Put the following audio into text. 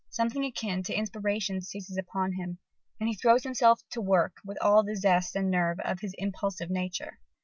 Something akin to inspiration seizes upon him: and he throws himself to work with all the zest and nerve of his impulsive nature.